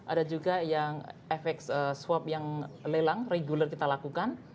ada juga yang efek swab yang lelang reguler kita lakukan